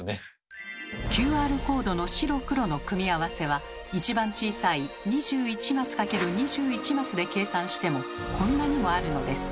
ＱＲコードの白黒の組み合わせは一番小さい２１マス×２１マスで計算してもこんなにもあるのです。